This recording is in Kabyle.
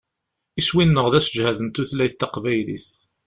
Iswi-nneɣ d aseǧhed n tutlayt taqbaylit.